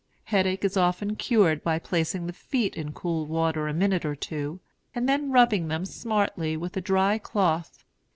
Headache is often cured by placing the feet in cool water a minute or two, and then rubbing them smartly with a dry cloth.